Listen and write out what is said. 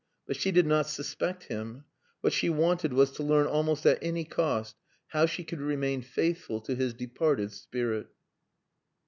But she did not suspect him. What she wanted was to learn almost at any cost how she could remain faithful to his departed spirit.